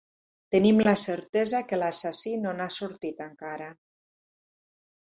Tenim la certesa que l'assassí no n'ha sortit encara.